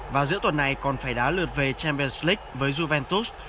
và giữa tuần này còn phải đá lượt về champions leage với juventus